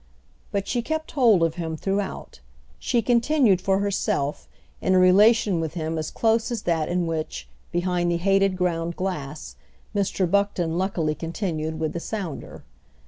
But she kept hold of him throughout; she continued, for herself, in a relation with him as close as that in which, behind the hated ground glass, Mr. Buckton luckily continued with the sounder.